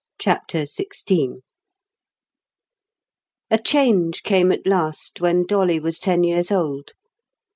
CHAPTER XVI A change came at last, when Dolly was ten years old.